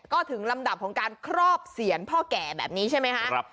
ก็ถึงลำดับของการครอบเสียรพ่อแก่แบบนี้ใช่ไหมคะ